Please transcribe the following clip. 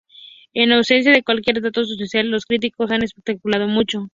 En ausencia de cualquier dato sustancial, los críticos han especulado mucho.